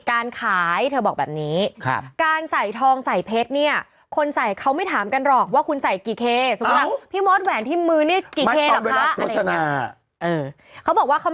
เขาบอกว่าเขาไม่ถามกันหรอกว่าคุณใส่กี่เค